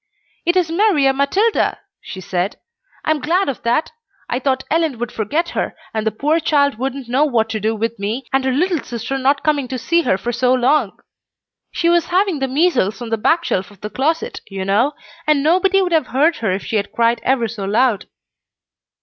"It is Maria Matilda," she said, "I'm glad of that. I thought Ellen would forget her, and the poor child wouldn't know what to do with me and her little sister not coming to see her for so long. She was having the measles on the back shelf of the closet, you know, and nobody would have heard her if she had cried ever so loud."